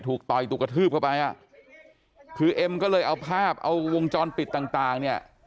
ต่อยถูกกระทืบเข้าไปอ่ะคือเอ็มก็เลยเอาภาพเอาวงจรปิดต่างต่างเนี่ย